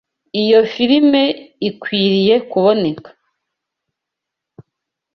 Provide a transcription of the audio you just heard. Iyo firime ikwiriye kuboneka.